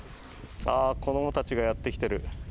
子どもたちがやってきてる。